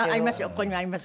ここにあります。